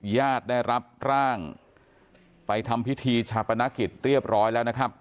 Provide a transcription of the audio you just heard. ญาติได้รับร่างไปทำพิธีชาปนกิจเรียบร้อยแล้วนะครับ